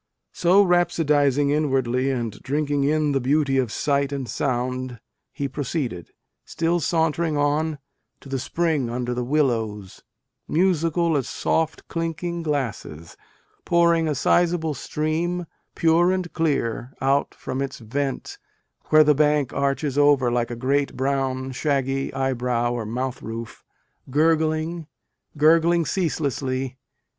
" So rhapsodizing inwardly and drinking in the beauty of sight and sound, he proceeded, " still sauntering on, to the spring under the willows musical as soft clinking glasses pouring a sizeable stream, pure and clear, out from its vent where the bank arches over like a great brown shaggy eyebrow or mouth roof gurgling, gurgling ceaselessly ; A DAY WITH WALT WHITMAN.